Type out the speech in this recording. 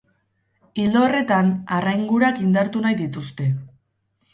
Ildo horretan, harraingurak indartu nahi dituzte.